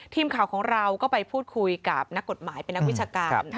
ทีมข่าวของเราก็ไปพูดคุยกับนักกฎหมายเป็นนักวิชาการ